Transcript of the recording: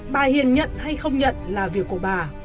bà hiền nhận hay không nhận là việc của bà